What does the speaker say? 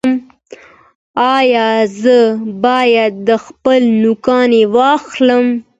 ایا زه باید خپل نوکان واخلم؟